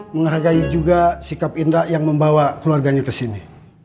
menghargai juga sikap indra yang membawa keluarganya ke sini